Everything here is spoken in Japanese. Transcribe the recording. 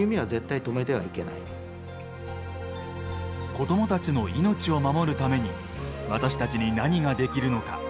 子どもたちの命を守るために私たちに何ができるのか。